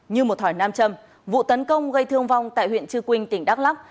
như một thỏi nam châm vụ tấn công gây thương vong tại huyện trư quynh tỉnh đắk lắc